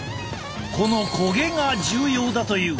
この焦げが重要だという。